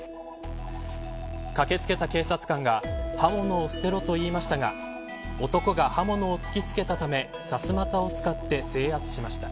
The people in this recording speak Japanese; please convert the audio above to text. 駆け付けた警察官が刃物を捨てろと言いましたが男が刃物を突きつけたためさすまたを使って制圧しました。